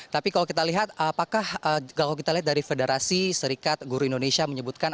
tapi kalau kita lihat apakah kalau kita lihat dari federasi serikat guru indonesia menyebutkan